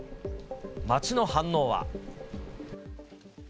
街の反応は。